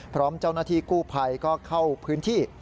พร้อมเจ้าหน้าที่กู้ภัยก็เข้าพื้นที่